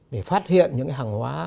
để phát hiện những hàng hóa